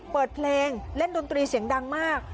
เปิดเพลงเล่นดนตรีเสียงดังมาก